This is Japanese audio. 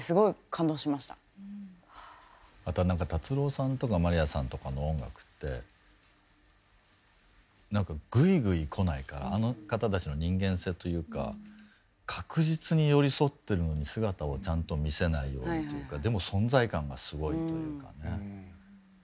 またなんか達郎さんとかまりやさんとかの音楽ってなんかグイグイ来ないからあの方たちの人間性というか確実に寄り添ってるのに姿をちゃんと見せないようにというかでも存在感がすごいというかね。